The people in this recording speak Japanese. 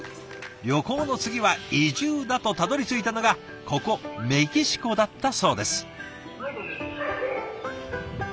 旅行の次は移住だとたどりついたのがここメキシコだったそうです。